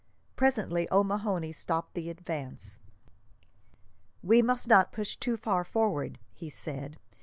Presently, O'Mahony stopped the advance. "We must not push too far forward," he said.